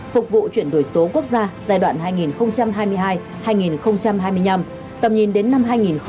phục vụ chuyển đổi số quốc gia giai đoạn hai nghìn hai mươi hai hai nghìn hai mươi năm tầm nhìn đến năm hai nghìn ba mươi